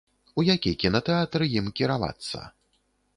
У які кінатэатр ім кіравацца?